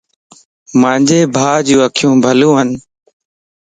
مانجي ڀاجو اکيون بلوون